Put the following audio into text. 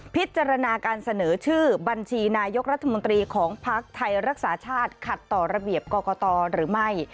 พิจารณาการเสนอชื่อบัญชีนายกรัฐมนตรีของภักดิ์ไทยรักษาชาติขัดต่อระเบียบกรกตหรือไม่